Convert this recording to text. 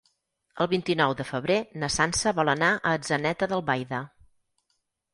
El vint-i-nou de febrer na Sança vol anar a Atzeneta d'Albaida.